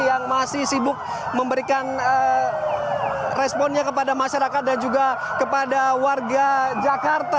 yang masih sibuk memberikan responnya kepada masyarakat dan juga kepada warga jakarta